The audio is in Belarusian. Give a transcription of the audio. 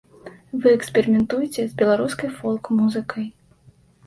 Вы эксперыментуеце з беларускай фолк-музыкай.